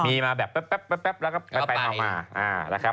มีมาแบบแป๊บแล้วก็ไปมา